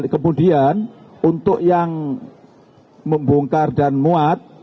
kemudian untuk yang membongkar dan muat